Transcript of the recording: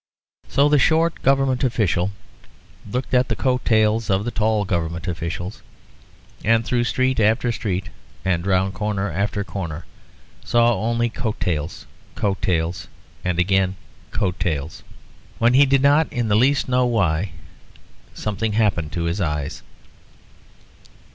So the short Government official looked at the coat tails of the tall Government officials, and through street after street, and round corner after corner, saw only coat tails, coat tails, and again coat tails when, he did not in the least know why, something happened to his eyes.